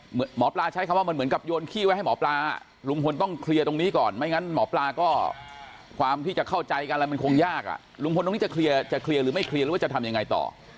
หมอปลาใช้คำว่ามันเหมือนกับโยนขี้ไว้ให้หมอปลาลุงพลต้องเคลียร์ตรงนี้ก่อนไม่งั้นหมอปลาก็ความที่จะเข้าใจกันอะไรมันคงยากอ่ะลุงพลตรงนี้จะเคลียร์จะเคลียร์หรือไม่เคลียร์หรือว่าจะทำยังไงต่อ